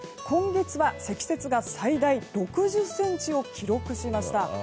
今月は積雪が最大６０ｃｍを記録しました。